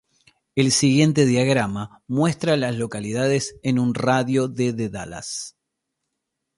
El siguiente diagrama muestra a las localidades en un radio de de Dallas.